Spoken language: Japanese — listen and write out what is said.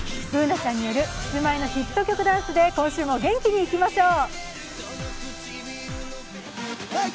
Ｂｏｏｎａちゃんによるキスマイのヒット曲ダンスで今週も元気にいきましょう！